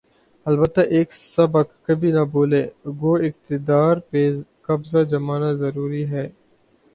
البتہ ایک سبق کبھی نہ بھولے‘ گو اقتدار پہ قبضہ جمانا ضروری ہے۔